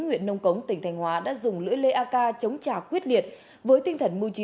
huyện nông cống tỉnh thành hóa đã dùng lưỡi lê ak chống trả quyết liệt với tinh thần mưu trí